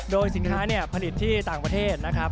โดยสินค้าผลิตที่ต่างประเทศนะครับ